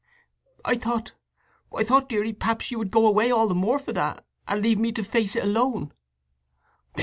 "I thought—I thought, deary, perhaps you would go away all the more for that, and leave me to face it alone!"